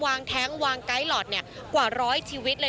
วางแท็งค์วางไกลลอร์ดกว่า๑๐๐ชีวิต